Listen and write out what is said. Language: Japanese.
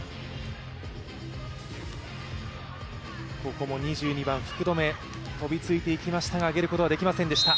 ここも２２番、福留、飛びついていきましたが上げることはできませんでした。